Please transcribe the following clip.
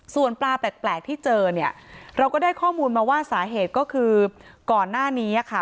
ส่วนปลาแปลกที่เจอเนี่ยเราก็ได้ข้อมูลมาว่าสาเหตุก็คือก่อนหน้านี้ค่ะ